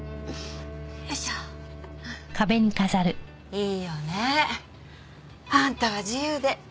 いいよねあんたは自由で。